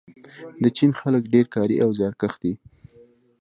د چین خلک ډیر کاري او زیارکښ دي.